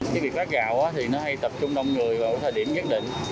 cái việc phát gạo thì nó hay tập trung đông người vào thời điểm nhất định